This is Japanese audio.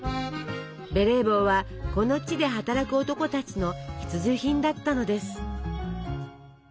ベレー帽はこの地で働く男たちの必需品だったのです。